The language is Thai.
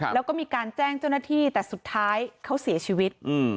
แล้วก็มีการแจ้งเจ้าหน้าที่แต่สุดท้ายเขาเสียชีวิต